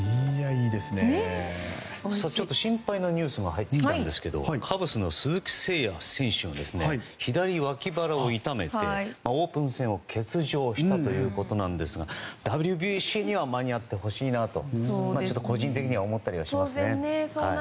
ちょっと心配なニュースが入ってきたんですがカブスの鈴木誠也選手が左わき腹を痛めてオープン戦を欠場したということですがＷＢＣには間に合ってほしいと個人的には思ったりしますね。